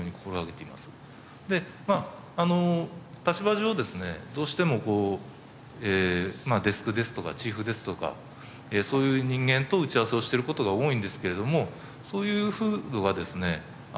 でまあ立場上ですねどうしてもデスクですとかチーフですとかそういう人間と打ち合わせをしている事が多いんですけれどもそういう風土がですね